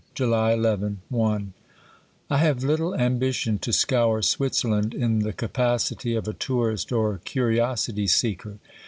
Y,July II (I), I have little ambition to scour Switzerland in the capacity of a tourist or curiosity seeker.